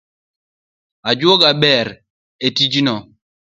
Ajuoga ber etijno